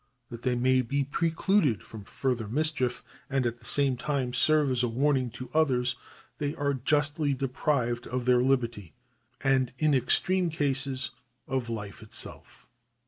That they may be precluded from further mis chief, and at the same time serve as a warning to others, they are justly deprived of their liberty, and in extreme cases of life itself.